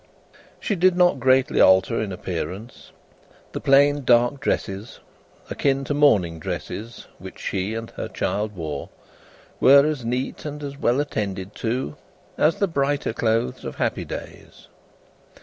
She did not greatly alter in appearance. The plain dark dresses, akin to mourning dresses, which she and her child wore, were as neat and as well attended to as the brighter clothes of happy days.